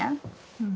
うん。